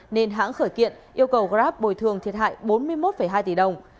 nên hãng khởi kiện yêu cầu grab bồi thường thiệt hại bốn mươi một hai tỷ đồng